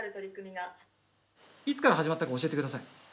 いつから始まったか教えてください。